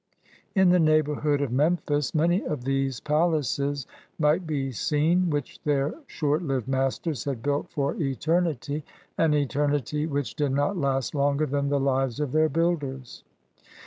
In the neighborhood of Memphis many of these palaces might be seen, which their short lived masters had built for eternity, an eternity which did not last longer than the lives of their builders.